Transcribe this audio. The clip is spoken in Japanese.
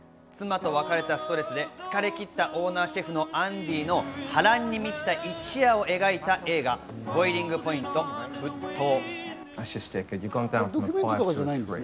妻と別れたストレスで疲れ切ったオーナシェフ、アンディの波乱に満ちた一夜を描いた映画『ボイリング・ポイント／沸騰』。